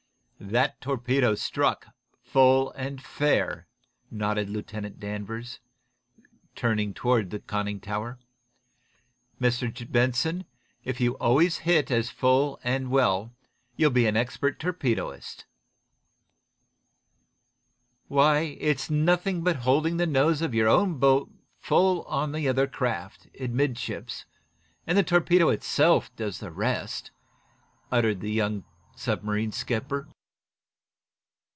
"That torpedo struck, full and fair," nodded Lieutenant Danvers, turning toward the conning tower. "Mr. Benson, if you always hit as full and well, you'll be an expert torpedoist." "Why, it's nothing but holding the nose of your own boat full on the other craft, amidships, and the torpedo itself does the rest," uttered the young submarine skipper.